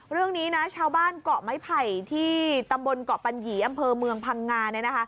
เรื่องนี้นะชาวบ้านเกาะไม้ไผ่ที่ตำบลเกาะปัญหยีอำเภอเมืองพังงา